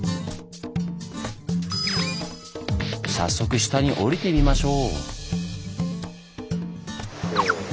早速下に下りてみましょう！